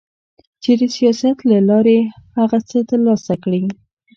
چي د سياست له لارې هغه څه ترلاسه کړي